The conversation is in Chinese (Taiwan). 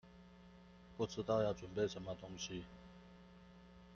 不知道要準備什麼東西